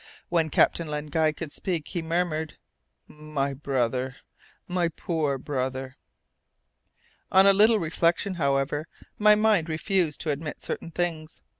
When Captain Len Guy could speak, he murmured, "My brother, my poor brother!" On a little reflection, however, my mind refused to admit certain things.